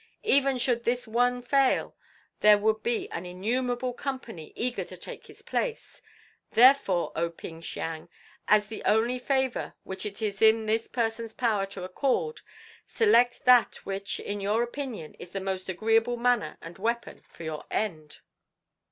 Even should this one fail there would be an innumerable company eager to take his place. Therefore, O Ping Siang, as the only favour which it is within this person's power to accord, select that which in your opinion is the most agreeable manner and weapon for your end."